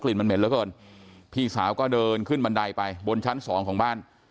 มันเหม็นเหลือเกินพี่สาวก็เดินขึ้นบันไดไปบนชั้นสองของบ้าน